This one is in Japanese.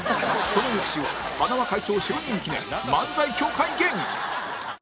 その翌週は塙会長就任記念漫才協会芸人